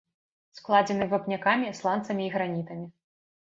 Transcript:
Складзены вапнякамі, сланцамі і гранітамі.